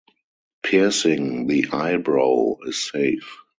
Piercing the eyebrow is safe.